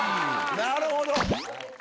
なるほど。